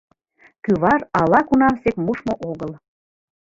Кӱвар ала-кунамсек мушмо огыл.